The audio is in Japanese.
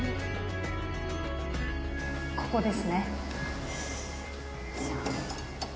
ここですね？